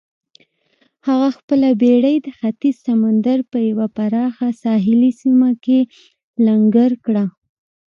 هغه خپله بېړۍ د ختیځ سمندر په یوه پراخه ساحلي سیمه کې لنګر کړه.